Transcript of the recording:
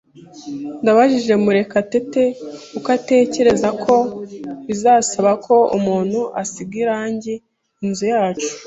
Nabajije Murekatete uko atekereza ko bizasaba ko umuntu asiga irangi inzu yacu.